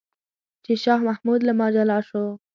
چې شاه محمود له ما جلا شو.